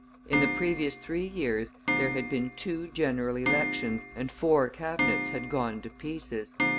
In the previous three years there had been two general elections, and four Cabinets had gone to pieces.